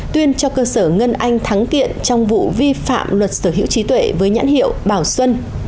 tuyên cho cơ sở ngân anh thắng kiện trong vụ vi phạm luật sở hữu